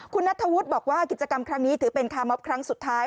คุณนัทธวุฒิบอกว่ากิจกรรมครั้งนี้ถือเป็นคาร์มอบครั้งสุดท้าย